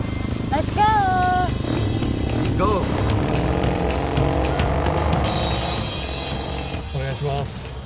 あっお願いします。